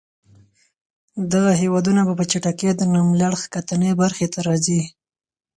دغه هېوادونه به په چټکۍ د نوملړ ښکتنۍ برخې ته راځي.